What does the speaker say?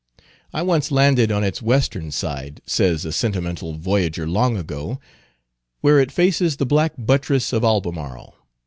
"I once landed on its western side," says a sentimental voyager long ago, "where it faces the black buttress of Albemarle.